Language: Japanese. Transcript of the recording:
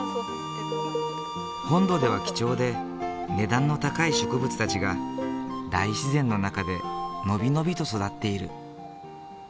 本土では貴重で値段の高い植物たちが大自然の中で伸び伸びと育っている。